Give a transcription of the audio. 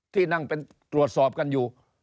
ที่นั่งเป็นตรวจสอบกันอยู่